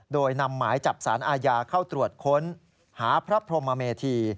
โดยนำหมายจับสารอาญาเข้าตรวจค้นหาพระพรหมเมธี